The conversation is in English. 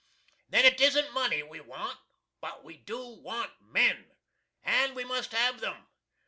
Then it isn't money we want. But we do want MEN, and we must have them.